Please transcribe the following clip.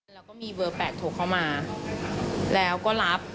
แล้วก็มีเบอร์๘โทรเข้ามาแล้วก็รับ